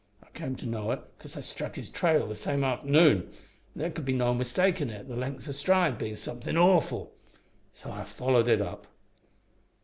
I came to know it 'cause I struck his trail the same arternoon, an' there could be no mistakin' it, the length o' stride bein' somethin' awful! So I followed it up.